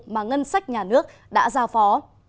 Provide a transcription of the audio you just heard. mà ngân sách nhà nước đã giao phó